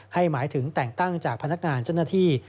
หมายถึงแต่งตั้งจากพนักงานเจ้าหน้าที่